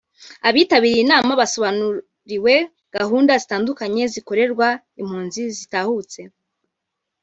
Abitabiriye iyi nama basobanuriwe gahunda zitandukanye zikorerwa impunzi zitahutse